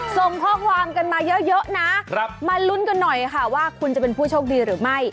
ส่งข้อความกันมาเยอะนะมาลุ้นกันหน่อยค่ะว่าคุณจะเป็นผู้โชคดีหรือไม่